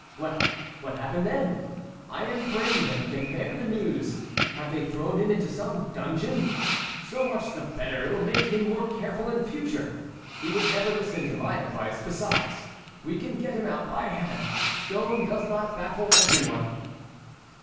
Well, what happened then? I am brave and can bear the news. Have they thrown him into some dungeon? So much the better. It will make him more careful in future. He never would listen to my advice; besides, we can get him out, by Heaven! Stone does not baffle every one."